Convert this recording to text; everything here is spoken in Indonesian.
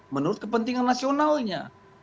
menurut kepentingan nasionalnya